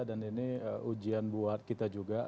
dan ini ujian buat kita juga